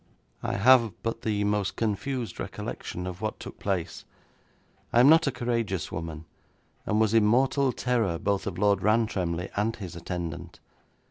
'I have but the most confused recollection of what took place. I am not a courageous woman, and was in mortal terror both of Lord Rantremly and his attendant.